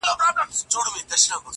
د زړه بوټى مي دی شناخته د قبرونو.